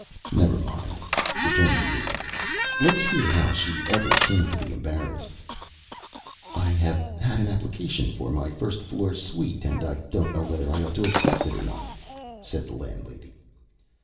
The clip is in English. "Never mind," returned the Idiot. "Let's hear how she ever came to be embarrassed." "I have had an application for my first floor suite, and I don't know whether I ought to accept it or not," said the landlady.